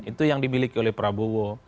itu yang dimiliki oleh prabowo